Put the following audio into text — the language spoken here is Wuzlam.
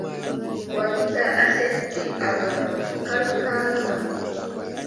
Wakita aslane di a bara vo kalkala.